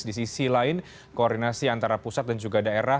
di sisi lain koordinasi antara pusat dan juga daerah